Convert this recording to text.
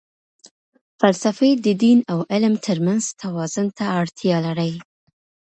فلسفې د دین او علم ترمنځ توازن ته اړتیا لري.